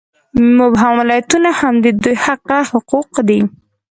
مبهم ولایتونه هم د دوی حقه حقوق دي.